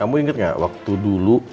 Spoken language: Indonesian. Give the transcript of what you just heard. kamu inget gak waktu dulu